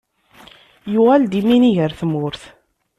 Yuɣal-d yiminig ɣer tmurt.